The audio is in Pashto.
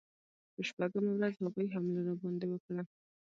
په شپږمه ورځ هغوی حمله راباندې وکړه.